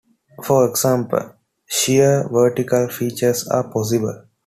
For example, sheer vertical features are possible.